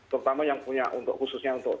terutama yang punya untuk khususnya untuk